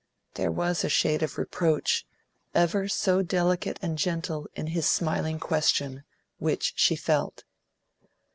There was a shade of reproach, ever so delicate and gentle, in his smiling question, which she felt.